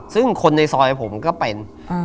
ซึ่งคนในซอยผมก็เป็น